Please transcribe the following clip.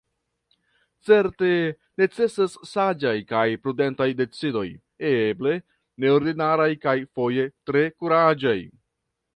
Certe necesas saĝaj kaj prudentaj decidoj, eble neordinaraj kaj foje tre kuraĝaj.